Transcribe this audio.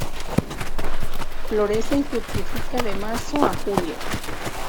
Florece y fructifica de marzo a julio.